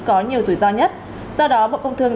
có nhiều rủi ro nhất do đó bộ công thương